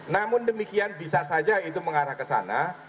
namun demikian bisa saja itu mengarah ke sana